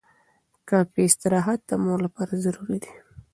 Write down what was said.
کافي استراحت د مور لپاره ضروري دی.